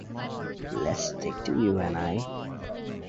Let's stick to you and I.